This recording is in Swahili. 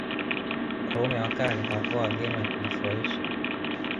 Warumi wa kale hawakuwa wageni wa kujifurahisha